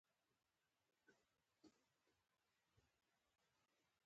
سلام جان رسۍ په مړې مږې پسې غوټه کړه.